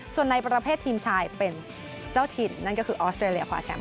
ส่วนในประเภททีมชายเป็นเจ้าถิ่นนั่นก็คือออสเตรเลียขวาแชมป